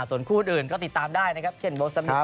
ส่วนคู่อื่นก็ติดตามได้นะครับเช่นโบสมิท